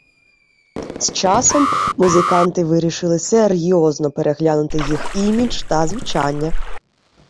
З часом музиканти вирішили серйозно переглянути їх імідж та звучання.